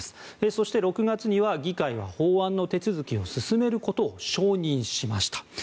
そして、６月には議会は法案の手続きを進めることを承認しました。